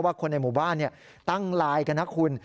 คนในหมู่บ้านตั้งไลน์กันนะคุณ